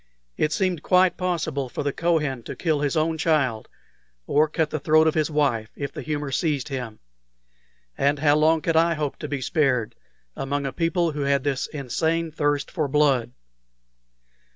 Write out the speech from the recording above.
It seemed quite possible for the Kohen to kill his own child, or cut the throat of his wife, if the humor seized him. And how long could I hope to be spared among a people who had this insane thirst for blood?